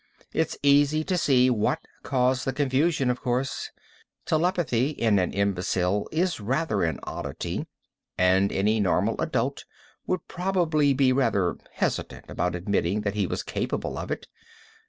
It's easy to see what caused the confusion, of course: telepathy in an imbecile is rather an oddity and any normal adult would probably be rather hesitant about admitting that he was capable of it.